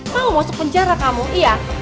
mau masuk penjara kamu iya